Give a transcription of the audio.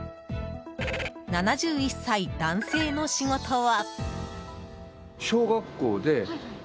７１歳男性の仕事は。